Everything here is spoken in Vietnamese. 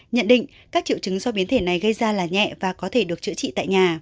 nhận định các triệu chứng do biến thể này gây ra là nhẹ và có thể được chữa trị tại nhà